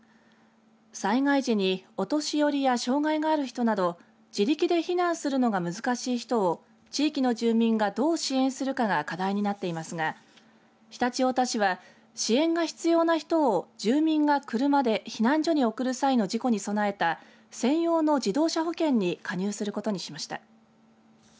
災害時にお年寄りや障害がある人など自力で避難するのが難しい人を地域の住民がどう支援するかが課題になっていますが常陸太田市は支援が必要な人を住民が車で避難所に送る際の事故に備えた専用の自動車保険に加入することにしました。